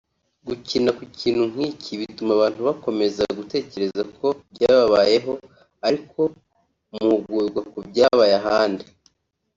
gukina ku kintu nk’iki bituma abantu bakomeza gutekereza ku byababayeho ariko muhugurwa ku byabaye ahandi